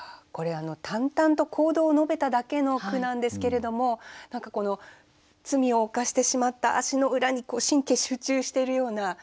これ淡々と行動を述べただけの句なんですけれども罪を犯してしまった足の裏に神経集中しているような。